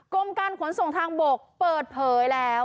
กรมการขนส่งทางบกเปิดเผยแล้ว